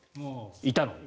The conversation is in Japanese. いたのに。